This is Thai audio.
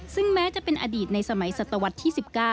ซึ่งแม้จะเป็นอดีตในสมัยศตวรรษที่๑๙